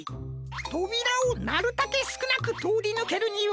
とびらをなるたけすくなくとおりぬけるには？